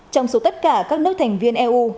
trong số tất cả các nước thành viên eu